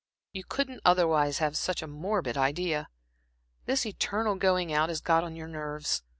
You couldn't otherwise have such a morbid idea. This eternal going out has got on your nerves.